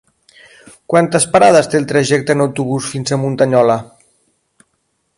Quantes parades té el trajecte en autobús fins a Muntanyola?